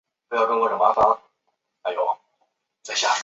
盾牌上的六个棕色的十字是印第安人的星星的象征。